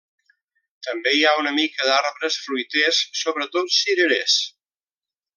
També hi ha una mica d'arbres fruiters, sobretot cirerers.